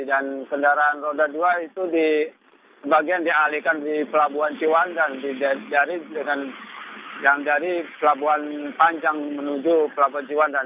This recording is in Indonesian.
dan kendaraan roda dua itu di bagian dialihkan di pelabuhan cewandan yang dari pelabuhan panjang menuju pelabuhan cewandan